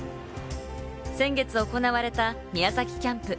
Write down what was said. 先月行われた宮崎キャンプ。